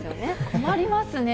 困りますね。